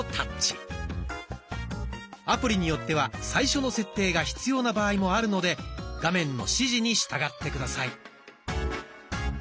アプリによっては最初の設定が必要な場合もあるので画面の指示に従って下さい。